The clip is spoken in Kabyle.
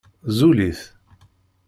Zul-it!